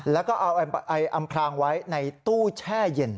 แล้วก็เอาไปอำพรางไว้ในตู้แช่เย็น